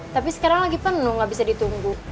tapi sekarang lagi penuh gak bisa ditunggu